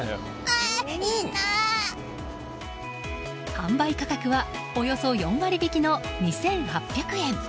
販売価格はおよそ４割引きの２８００円。